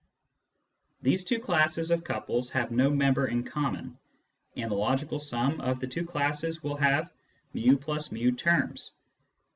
These two classes of couples have no member in common, and the logical sum of the two classes will have ju.+ju, terms.